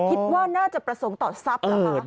คิดว่าน่าจะประสงค์ต่อทรัพย์เหรอคะ